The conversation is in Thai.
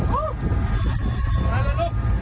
อู้วลุกลุก